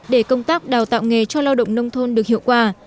để công tác đào tạo nghề cho lao động nông thôn được hiệu quả